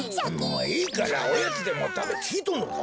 もういいからおやつでもたべきいとんのか？